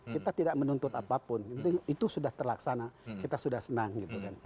kita tidak menuntut apapun itu sudah terlaksana kita sudah senang gitu kan